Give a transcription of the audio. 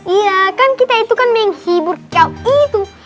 iya kan kita itu kan main hibur cow itu